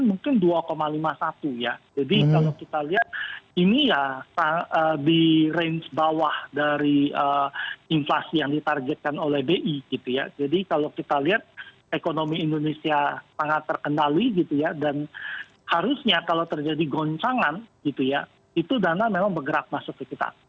pemerintah untuk tahun depan inflation mungkin dua lima puluh satu ya jadi kalau kita lihat ini ya di range bawah dari inflasi yang ditargetkan oleh bi gitu ya jadi kalau kita lihat ekonomi indonesia sangat terkendali gitu ya dan harusnya kalau terjadi goncangan gitu ya itu dana memang bergerak masuk ke kita